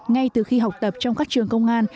ngay từ khi học tập trong các trường công an